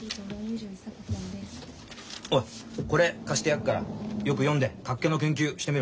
おいこれ貸してやっからよく読んで脚気の研究してみろ。